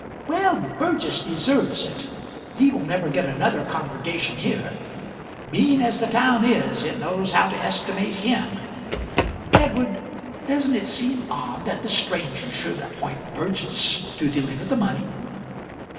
"Well, Burgess deserves it he will never get another congregation here. Mean as the town is, it knows how to estimate him. Edward, doesn't it seem odd that the stranger should appoint Burgess to deliver the money?"